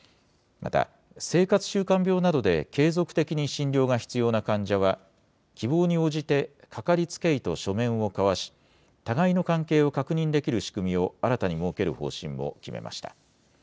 また、生活習慣病などで継続的に診療が必要な患者は、希望に応じてかかりつけ医と書面を交わし、互いの関係を確認できる仕組みを新たに設ける方針を決めました。